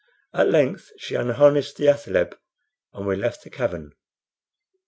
At length she unharnessed the athaleb and we left the cavern.